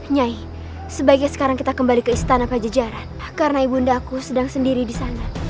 nyai sebaiknya sekarang kita kembali ke istana pajejaran karena ibundaku sedang sendiri di sana